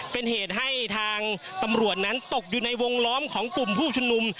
เป็นเหตุให้ทางตำรวจนั้นตกอยู่ในวงล้อมของกลุ่มผู้ชุมนุม